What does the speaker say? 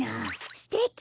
すてき！